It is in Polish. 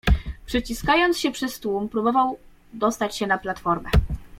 "Przeciskając się przez tłum, próbował przejść na platformę."